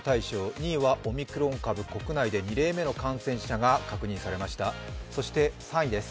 ２位はオミクロン株、国内で２例目の感染者確認です。